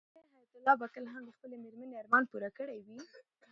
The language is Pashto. آیا حیات الله به کله هم د خپلې مېرمنې ارمان پوره کړی وي؟